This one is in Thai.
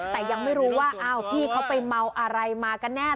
แต่ยังไม่รู้ว่าอ้าวพี่เขาไปเมาอะไรมากันแน่